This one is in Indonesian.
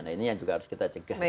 nah ini yang juga harus kita cegah